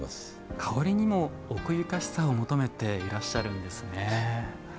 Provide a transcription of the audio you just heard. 香りにも、奥ゆかしさを求めていらっしゃるんですね。